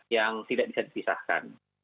yang tidak bisa dipisahkan